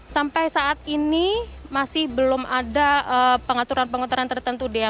sampai saat ini masih belum ada pengaturan pengaturan tertentu dea